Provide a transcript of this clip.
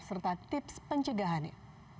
serta tips pencegahannya